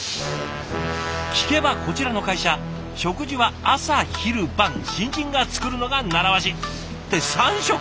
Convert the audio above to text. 聞けばこちらの会社食事は朝昼晩新人が作るのが習わし。って３食！？